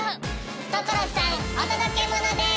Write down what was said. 所さんお届けモノです！